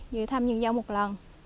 về thăm vườn dâu một lần